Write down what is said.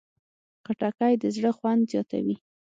خټکی د زړه خوند زیاتوي.